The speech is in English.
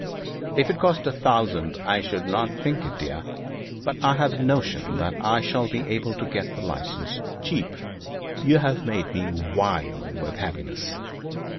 'If it cost a thousand I should not think it dear. But I have a notion that I shall be able to get the licence cheap. You have made me wild with happiness.'